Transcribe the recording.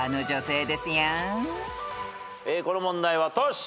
この問題はトシ。